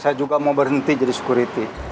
saya juga mau berhenti jadi security